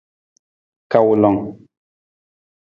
Kawulang.